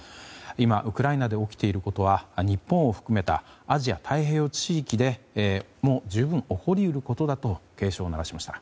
今ウクライナで起きていることは日本を含めたアジア太平洋地域で十分、起こりうることだと主張しました。